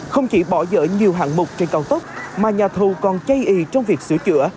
không chỉ bỏ dở nhiều hạng mục trên cao tốc mà nhà thầu còn chay y trong việc sửa chữa